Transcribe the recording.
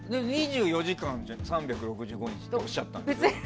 ２４時間３６５日とおっしゃったんですよ。